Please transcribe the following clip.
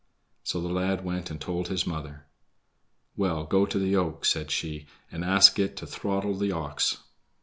So the lad went and told his mother. "Well, go to the yoke," said she, "and ask it to throttle the ox."